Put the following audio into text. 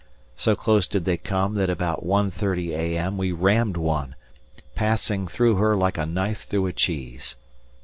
So close did they come that about 1.30 a.m. we rammed one, passing through her like a knife through a cheese.